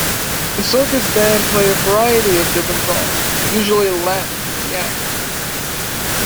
The circus band play a variety of different songs, usually Latin for the acts.